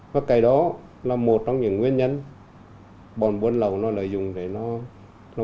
và cái đó là một trong những nguyên nhân bọn buôn lầu nó lợi dụng để nó buôn lầu vàng